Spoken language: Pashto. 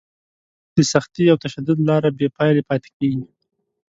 د سختي او تشدد لاره بې پایلې پاتې کېږي.